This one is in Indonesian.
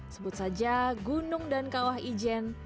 sebut saja gunung dan kawah ijen